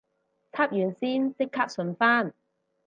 插完線即刻順返